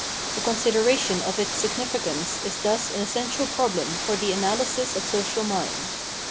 The consideration of its significance is thus an essential problem for the analysis of social mind.